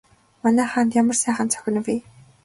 Манай хаанд ямар сайхан зохино вэ?